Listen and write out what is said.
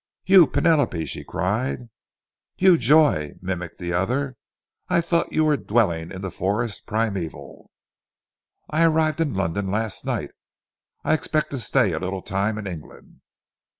"You, Penelope!" she cried. "You, Joy!" mimicked the other. "I thought you were dwelling in the forest primeval?" "I arrived in London last night. I expect to stay a little time in England.